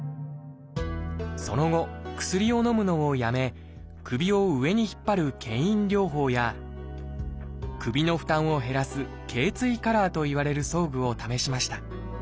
その後薬をのむのをやめ首を上に引っ張る「けん引療法」や首の負担を減らす「頚椎カラー」といわれる装具を試しました。